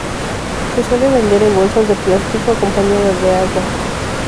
Se suele vender en bolsas de plástico acompañadas de agua.